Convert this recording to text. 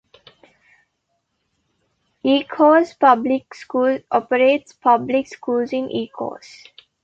Ecorse Public Schools operates public schools in Ecorse.